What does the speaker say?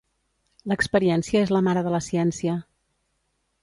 L'experiència és la mare de la ciència.